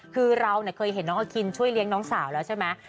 คือเราเคยเห็นน้องอคินช่วยเลี้ยงน้องสาวแล้วใช่ไหม